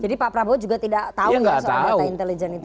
jadi pak prabowo juga tidak tahu ya soal data intelijen itu ya